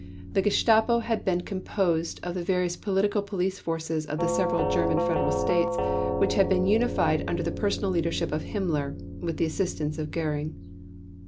The Gestapo had been composed of the various political police forces of the several German Federal states which had been unified under the personal leadership of Himmler, with the assistance of Göring.